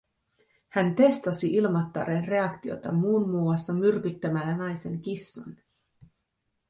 Hän testasi Ilmattaren reaktiota muun muassa myrkyttämällä naisen kissan.